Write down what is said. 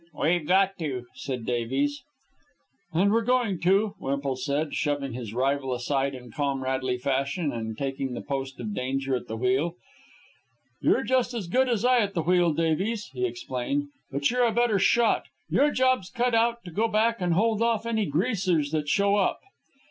"We've got to," said Davies. "And we're going to," Wemple said, shoving his rival aside in comradely fashion and taking the post of danger at the wheel. "You're just as good as I at the wheel, Davies," he explained. "But you're a better shot. Your job's cut out to go back and hold off any Greasers that show up."